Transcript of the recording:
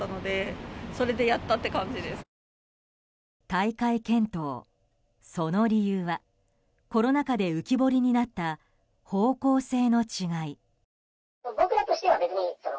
退会検討、その理由はコロナ禍で浮き彫りになった方向性の違い。